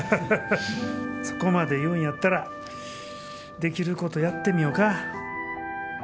そこまで言うんやったらできることやってみよか。